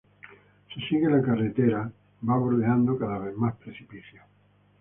Se sigue, la carretera va bordeando cada vez más precipicios.